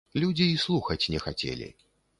Людзі і слухаць не хацелі.